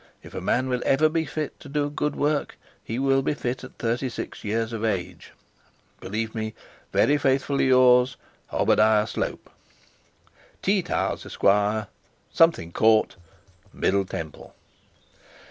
If a man will ever be fit to do good work he will be fit at thirty six years of age. 'Believe me very faithfully yours, OBADIAH SLOPE 'T. TOWERS, Esq., 'Middle Temple.'